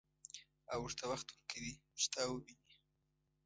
او ورته وخت ورکوي چې تا وويني.